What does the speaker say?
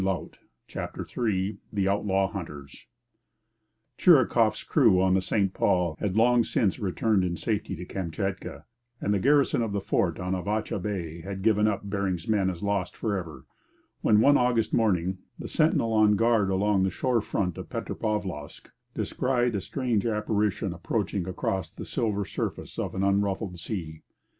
CHAPTER III THE OUTLAW HUNTERS Chirikoff's crew on the St Paul had long since returned in safety to Kamchatka, and the garrison of the fort on Avacha Bay had given up Bering's men as lost for ever, when one August morning the sentinel on guard along the shore front of Petropavlovsk descried a strange apparition approaching across the silver surface of an unruffled sea.